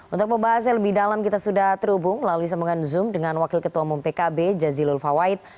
untuk pembahas yang lebih dalam kita sudah terhubung melalui sambungan zoom dengan wakil ketua umum pkb jazilul fawait